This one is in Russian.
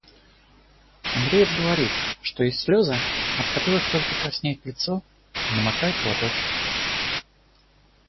Андреев говорит, что есть слёзы, от которых только «краснеет лицо и намокает платочек».